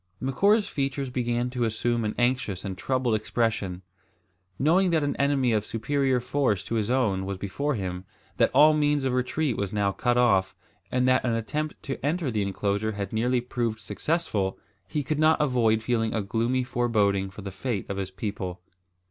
Macora's features began to assume an anxious and troubled expression. Knowing that an enemy of superior force to his own was before him, that all means of retreat was now cut off, and that an attempt to enter the enclosure had nearly proved successful, he could not avoid feeling a gloomy foreboding for the fate of his people.